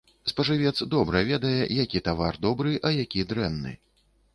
Спажывец добра ведае, які тавар добры, а які дрэнны.